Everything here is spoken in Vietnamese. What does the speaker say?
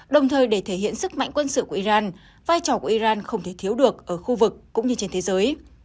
đồng thời để thể hiện sức mạnh quân sự của iran vai trò của iran không thể thiếu được ở khu vực cũng như trên thế giới